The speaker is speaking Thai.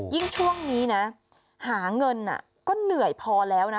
ยิ่งช่วงนี้นะหาเงินก็เหนื่อยพอแล้วนะ